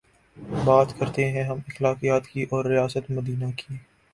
بات کرتے ہیں ہم اخلاقیات کی اورریاست مدینہ کی